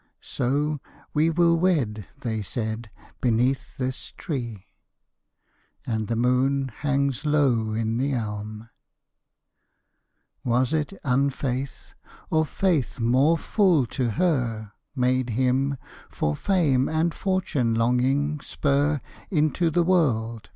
So "We will wed," they said, "beneath this tree." And the moon hangs low in the elm. Was it unfaith, or faith more full to her, Made him, for fame and fortune longing, spur Into the world?